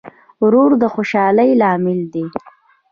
ورور د خوشحالۍ لامل دی.